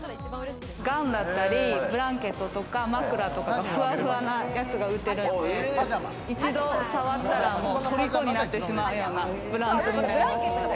ガウンだったり、ブランケットとか枕とか、ふわふわなやつが売ってるので、一度触ったら、もう虜になってしまうようなブランド。